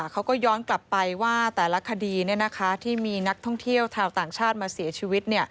เขาก็ย้อนกลับไปว่าแต่ละคดีที่มีนักท่องเที่ยวชาวต่างชาติมาเสียชีวิต